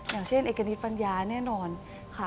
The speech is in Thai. อย่างเช่นเอกณิตปัญญาแน่นอนค่ะ